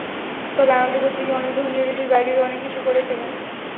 তবে আনন্দ করতে গিয়ে অনেকে ধর্মীয় রীতির বাইরের অনেক কিছু করে ফেলেন।